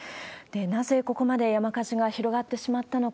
なぜここまで山火事が広がってしまったのか。